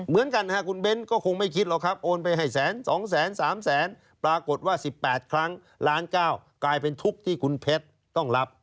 เหมือนกันคุณเบ้นก็คงไม่คิดหรอกครับโอนไปให้แสน๒๓แสนปรากฏว่า๑๘ครั้งล้าน๙กลายเป็นทุกข์ที่คุณเพชรต้องรับ